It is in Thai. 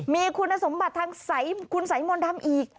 มีคุณสมบัติทางคุณสัยมนต์ดำอีก